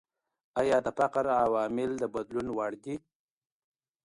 ايا د فقر عوامل د بدلون وړ دي؟